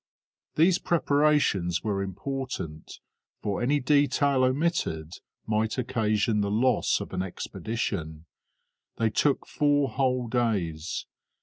These preparations were important, for any detail omitted might occasion the loss of an expedition; they took four whole days.